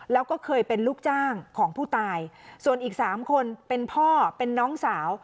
แล้วก็เคยเป็นลูกจ้างของผู้ตายส่วนอีกสามคนเป็นพ่อเป็นน้องสาว